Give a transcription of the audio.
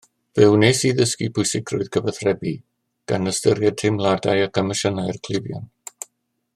Fe wnes i ddysgu pwysigrwydd cyfathrebu gan ystyried teimladau ac emosiynau'r cleifion